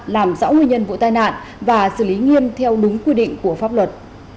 làm rõ nguyên nhân vụ tai nạn và xử lý nghiêm theo đúng quy định của pháp luật